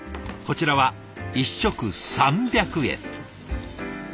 こちらは１食３００円。